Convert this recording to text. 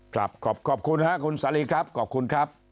ครับขอบคุณครับคุณสาลีครับขอบคุณครับ